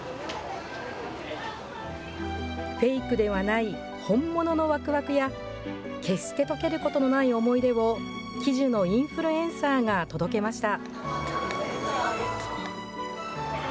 フェイクではない本物のわくわくや、決して溶けることのない思い出を、喜寿のインフルエンサーが届けました。